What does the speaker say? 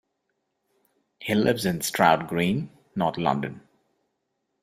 He lives in Stroud Green, North London.